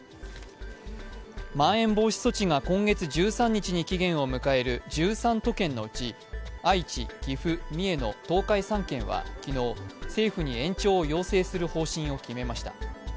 まん延防止措置が今月１３日に期限を迎える１３都県のうち、愛知、岐阜、三重の東海３県は昨日政府に延長を要請する方針を決めました。